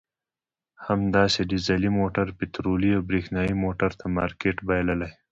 همداسې ډیزلي موټر پټرولي او برېښنایي موټر ته مارکېټ بایللی.